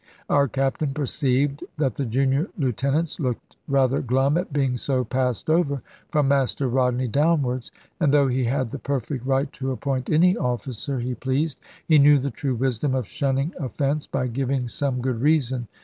Our Captain perceived that the junior lieutenants looked rather glum at being so passed over, from Master Rodney downwards; and though he had the perfect right to appoint any officer he pleased, he knew the true wisdom of shunning offence, by giving some good reason.